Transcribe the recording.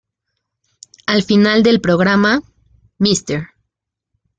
Al final del programa, Mr.